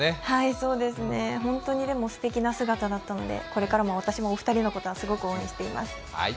はい、そうですね、本当にすてきな姿だったのでこれからも私もお二人のことはすごく応援しています。